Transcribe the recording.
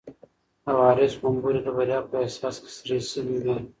د وارث غومبوري د بریا په احساس کې سره شوي وو.